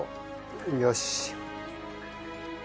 よし。